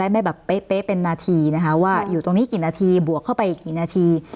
ไม่แบบเป๊ะเป็นนาทีนะคะว่าอยู่ตรงนี้กี่นาทีบวกเข้าไปอีกกี่นาที